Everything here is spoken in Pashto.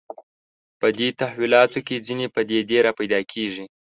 په دې تحولاتو کې ځینې پدیدې راپیدا کېږي